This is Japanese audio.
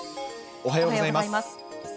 おはようございます。